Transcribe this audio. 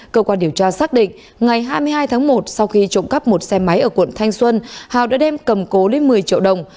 cơ quan điều tra xác định ngày hai mươi hai tháng một sau khi trộm cắp một xe máy ở quận thanh xuân hào đã đem cầm cố lên một mươi triệu đồng